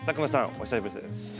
お久しぶりです。